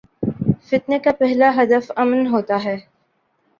فتنے کا پہلا ہدف امن ہو تا ہے۔